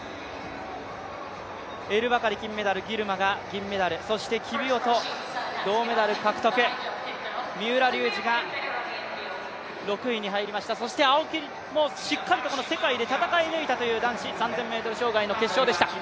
エルバカリ金メダル、ギルマが銀メダルそしてキビウォット、銅メダル獲得三浦龍司が６位に入りました、そして青木もしっかりと世界で戦い抜いたという、男子３０００ｍ障害の決勝でした。